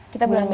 kita bulan mei